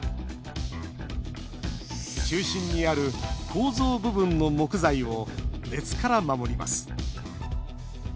中心にある構造部分の木材を熱から守ります。